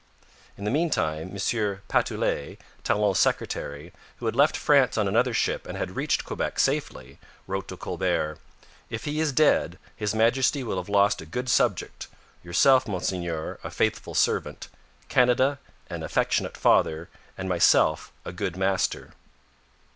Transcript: In the meantime M. Patoulet, Talon's secretary, who had left France on another ship and had reached Quebec safely, wrote to Colbert: 'If he is dead, His Majesty will have lost a good subject, yourself, Monseigneur, a faithful servant, Canada an affectionate father, and myself a good master.'